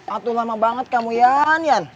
aduh lama banget kamu yan yan